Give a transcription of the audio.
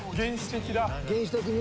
原始的だ。